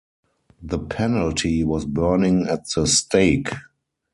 The penalty was burning at the stake.